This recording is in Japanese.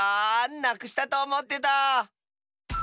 なくしたとおもってた。